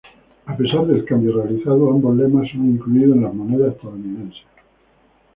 A pesar del cambio realizado, ambos lemas son incluidos en las monedas estadounidenses.